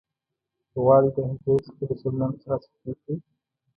غواړئ د هغې څخه د شبنم څاڅکي توئ کړئ.